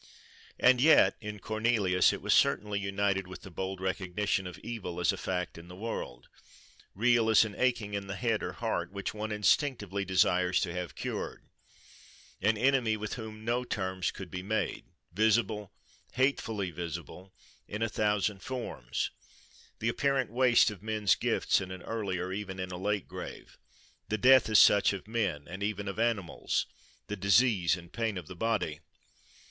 And yet, in Cornelius, it was certainly united with the bold recognition of evil as a fact in the world; real as an aching in the head or heart, which one instinctively desires to have cured; an enemy with whom no terms could be made, visible, hatefully visible, in a thousand forms—the apparent waste of men's gifts in an early, or even in a late grave; the death, as such, of men, and even of animals; the disease and pain of the body.